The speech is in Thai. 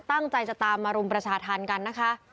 ตั้งใจจะตามมารุมประชาธรรมกันนะคะ